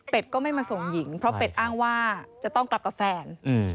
ก็ไม่มาส่งหญิงเพราะเป็ดอ้างว่าจะต้องกลับกับแฟน